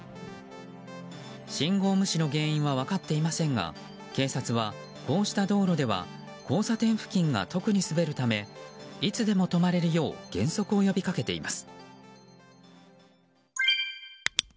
信号無視の原因は分かっていませんが警察は、こうした道路では交差点付近が特に滑るためいつでも止まれるよう減速を呼びかけています。